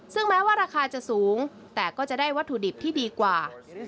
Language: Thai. ซึ่งแม้ว่าราคาจะสูงแต่ก็จะได้วัตถุดิบที่ดีกว่า